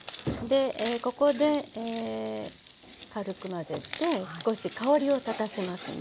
ここで軽く混ぜて少し香りを立たせますね。